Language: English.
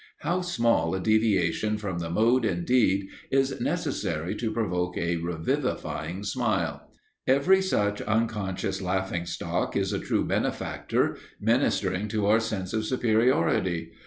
How small a deviation from the mode, indeed, is necessary to provoke a revivifying smile! Every such unconscious laughing stock is a true benefactor, ministering to our sense of superiority.